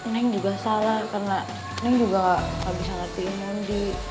neng juga salah karena neng juga gak bisa ngertiin nondi